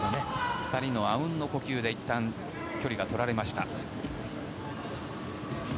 ２人のあうんの呼吸でいったん距離がとられました。